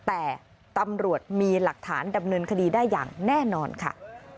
แต่ตำรวจมีหลักฐานดำเนินคดีได้อย่างแน่นอนค่ะ